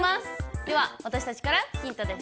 では私たちからヒントです。